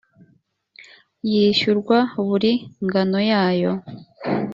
yishyurwa buri nganoyayo.